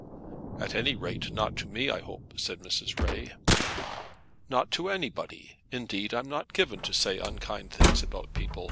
"At any rate not to me, I hope," said Mrs. Ray. "Not to anybody. Indeed I'm not given to say unkind things about people.